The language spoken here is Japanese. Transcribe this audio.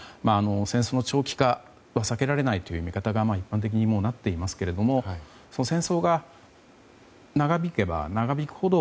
戦争の長期化はさけられないという見方が一般的になっていますが戦争が長引けば長引くほど